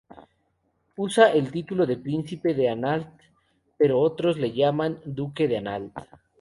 Usa el título de "príncipe de Anhalt", pero otros le llaman duque de Anhalt.